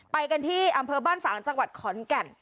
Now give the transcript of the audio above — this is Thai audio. ไปกันที่อำเภอบ้านฝางจังหวัดขอนแก่น